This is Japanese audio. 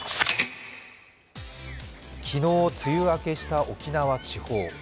昨日、梅雨明けした沖縄地方。